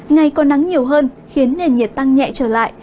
ngày có nắng nhiều hơn khiến nền nhiệt tăng nhẹ trở lại